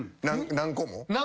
何個も。